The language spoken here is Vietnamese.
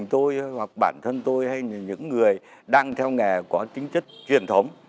nhưng xong đối với gia đình tôi hoặc bản thân tôi hay những người đang theo nghề có chính chất truyền thống